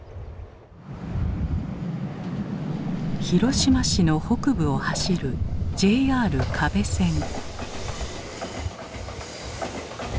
広島市の北部を走るＪＲ可部線。